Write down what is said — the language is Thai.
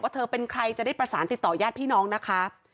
เธอเป็นใครจะได้ประสานติดต่อยาดพี่น้องนะคะ